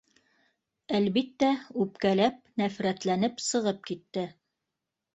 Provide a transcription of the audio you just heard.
Әлбиттә, үпкәләп, нәфрәтләнеп сығып китте